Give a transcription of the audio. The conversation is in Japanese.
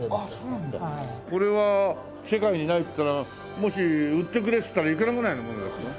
これは世界にないっつったらもし売ってくれっつったらいくらぐらいのものですか？